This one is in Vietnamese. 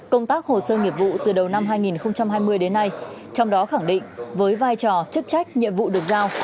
công tác hồ sơ nghiệp vụ từ đầu năm hai nghìn hai mươi đến nay trong đó khẳng định với vai trò chức trách nhiệm vụ được giao